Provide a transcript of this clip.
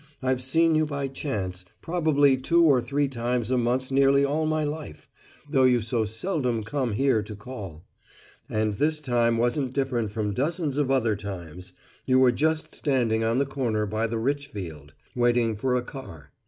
I've seen you by chance, probably two or three times a month nearly all my life, though you so seldom come here to call. And this time wasn't different from dozens of other times you were just standing on the corner by the Richfield, waiting for a car.